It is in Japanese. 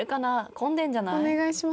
混んでんじゃない？